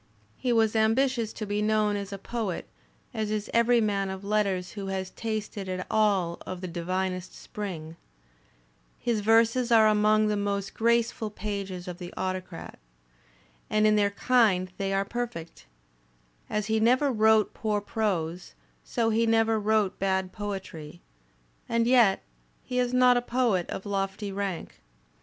He was ambitious to be known as a poet, as is every man of letters who has tasted at all of the divinest spring. His verses are among the most graceful Digitized by Google 166 THE SPIRIT OP AMERICAN LITERATURE pages of "The Autocrat," and in their kind they are perfect. As he never wrote poor prose, so he never wrote bad poetry. And yet — he is not a poet of lofty rank.